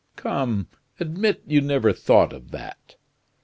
Come, admit you never thought of that."